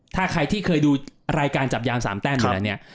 ถ้าใครที่เคยดูรายการจับยาม๓แต้มอยู่แล้วเนี่ย